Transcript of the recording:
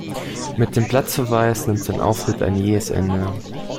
Mit dem Platzverweis nimmt sein Auftritt ein jähes Ende.